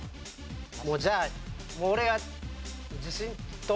もうじゃあ俺は。